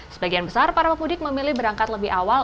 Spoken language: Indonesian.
sebagian besar para pemudik memilih berangkat lebih awal